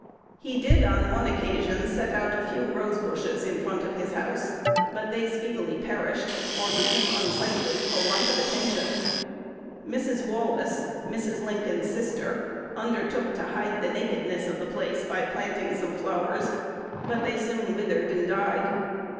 He did on one occasion set out a few rose bushes in front of his house; but they speedily perished, or became unsightly for want of attention. Mrs. Wallace, Mrs. Lincoln's sister, undertook "to hide the nakedness" of the place by planting some flowers; but they soon withered and died.